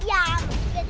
iya aku juga tadi